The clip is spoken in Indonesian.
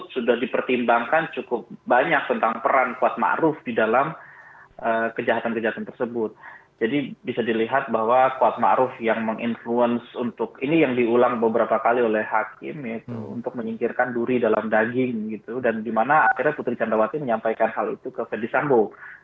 selamat siang mas erano